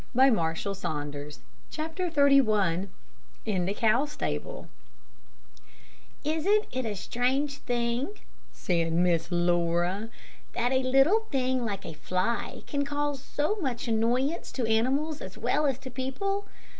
CHAPTER XXXI IN THE COW STABLE "Isn't it a strange thing," said Miss Laura, "that a little thing like a fly, can cause so much annoyance to animals as well as to people?